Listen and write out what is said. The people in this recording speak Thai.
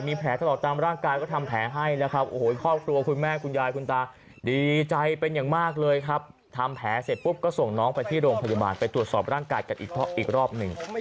มีแผลตลอดตามร่างกายก็ทำแผลให้นะครับโอ้โหครอบครัวคุณแม่คุณยายคุณตาดีใจเป็นอย่างมากเลยครับทำแผลเสร็จปุ๊บก็ส่งน้องไปที่โรงพยาบาลไปตรวจสอบร่างกายกันอีกรอบหนึ่ง